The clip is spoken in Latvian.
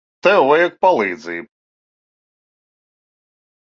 Tev vajag palīdzību.